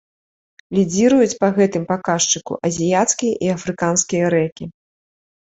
Лідзіруюць па гэтым паказчыку азіяцкія і афрыканскія рэкі.